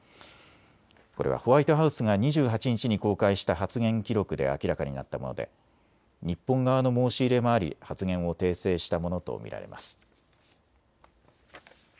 これはホワイトハウスが２８日に公開した発言記録で明らかになったもので日本側の申し入れもあり発言を訂正したものと見られます。